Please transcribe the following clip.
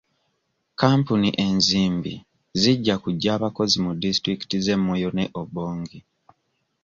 Kampuni enzimbi zijja kujja abakozi mu disitulikiti z'e Moyo ne Obongi.